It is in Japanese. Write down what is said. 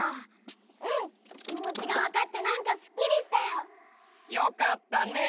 うんきもちがわかってなんかすっきりしたよ！よかったね！